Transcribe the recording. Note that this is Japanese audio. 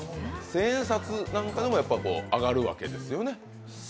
千円札なんかでも上がるわけですよね。